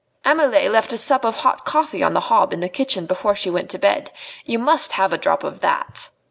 "Amelie left a sup of hot coffee on the hob in the kitchen before she went to bed. You must have a drop of that."